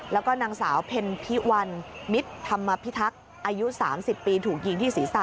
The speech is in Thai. แล้วก็นางสาวเพ็ญพิวันมิตรธรรมพิทักษ์อายุ๓๐ปีถูกยิงที่ศีรษะ